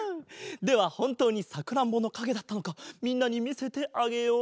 ではほんとうにさくらんぼのかげだったのかみんなにみせてあげよう。